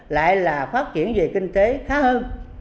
lại là phát triển về kinh tế khá hơn